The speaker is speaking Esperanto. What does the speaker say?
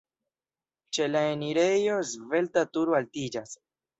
Ĉe la enirejo svelta turo altiĝas.